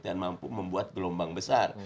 dan mampu membuat gelombang besar